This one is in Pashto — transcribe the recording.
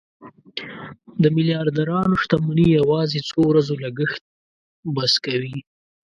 د میلیاردرانو شتمني یوازې څو ورځو لګښت بس کوي.